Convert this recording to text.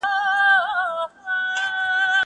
زه پرون چايي وڅښلې؟!